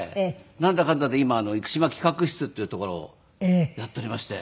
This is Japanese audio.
なんだかんだで今生島企画室っていうところをやっておりまして。